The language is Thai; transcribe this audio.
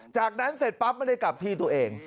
จากนั้นเสร็จปั๊บไม่ได้กลับที่ตัวเอง